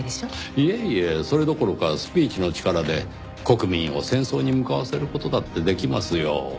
いえいえそれどころかスピーチの力で国民を戦争に向かわせる事だってできますよ。